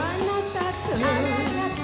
「あなたと」